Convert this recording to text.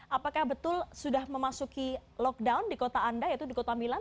apakah betul sudah memasuki lockdown di kota anda yaitu di kota milan